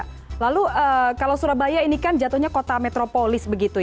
nah lalu kalau surabaya ini kan jatuhnya kota metropolis begitu ya